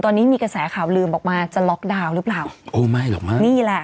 ตอนนี้มีกระแสข่าวลืมออกมาจะล็อกดาวน์หรือเปล่าโอ้ไม่หรอกมากนี่แหละ